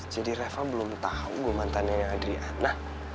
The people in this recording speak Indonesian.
jadi reva belum tau gue mantannya yang adriana